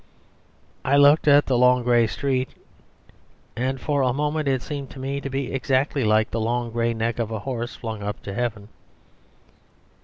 "I looked at the long grey street, and for a moment it seemed to me to be exactly like the long grey neck of a horse flung up to heaven.